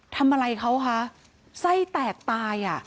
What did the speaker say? ทำอะไรเขาคะไส้แตกตายอ่ะ